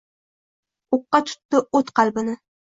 O’qqa tutdi o’t qalbni.